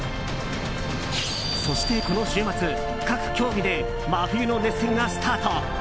そして、この週末各競技で真冬の熱戦がスタート。